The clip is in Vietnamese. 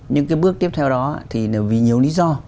nhưng cái bước tiếp theo đó thì là vì nhiều lý do